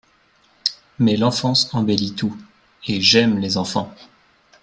Mais l'enfance embellit tout, et j'aime les enfants.